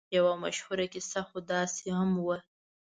یوه مشهوره کیسه خو داسې هم وه.